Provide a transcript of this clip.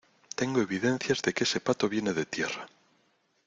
tengo evidencias de que ese pato viene de tierra.